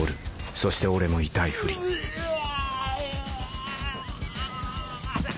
そして俺も痛いふりうぇ！